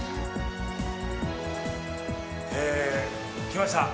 来ました。